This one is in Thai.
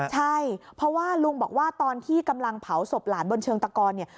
ใช่เพราะว่าลุงบอกว่าตอนที่กำลังเผาศพหลานบนเชิงตะกอนเนี่ย